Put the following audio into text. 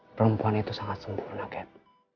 perempuan itu sangat sempurna kan